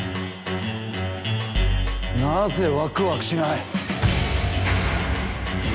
なぜワクワクしない。